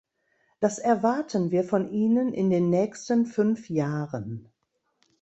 Das erwarten wir von Ihnen in den nächsten fünf Jahren!